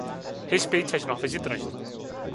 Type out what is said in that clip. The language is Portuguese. Respeite as normas de trânsito.